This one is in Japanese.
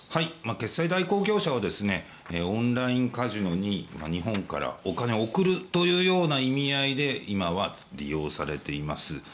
決済代行業者はオンラインカジノに日本からお金を送るというような意味合いで今は利用されています。